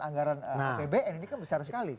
anggaran apbn ini kan besar sekali